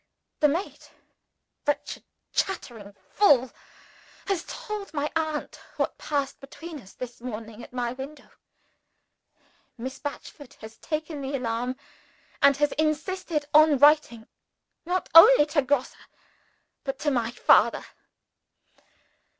The maid, (wretched chattering fool!) has told my aunt what passed between us this morning at my window. Miss Batchford has taken the alarm, and has insisted on writing, not only to Grosse, but to my father.